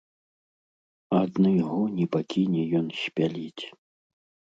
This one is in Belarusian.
Адны гоні пакіне ён спяліць.